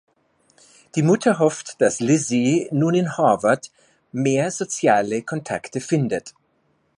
Die Mutter hofft, dass Lizzy nun in Harvard mehr soziale Kontakte findet.